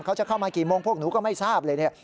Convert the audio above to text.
เขาจะเข้ามากี่โมงพวกหนูก็ไม่ทราบเลยเนี่ย